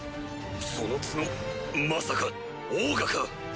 その角まさかオーガか！